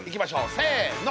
せの！